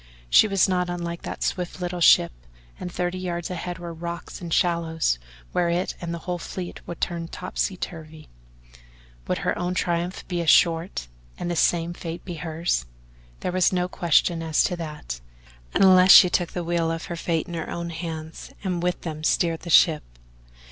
She was not unlike that swift little ship and thirty yards ahead were rocks and shallows where it and the whole fleet would turn topsy turvy would her own triumph be as short and the same fate be hers? There was no question as to that, unless she took the wheel of her fate in her own hands and with them steered the ship.